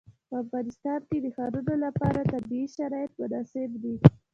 په افغانستان کې د ښارونه لپاره طبیعي شرایط مناسب دي.